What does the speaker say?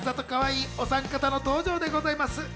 かわいいお三方の登場でございます。